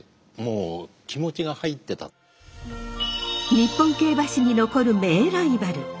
日本競馬史に残る名ライバル。